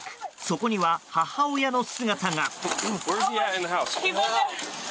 そこには母親の姿が。